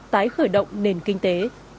tái khởi động nền kinh tế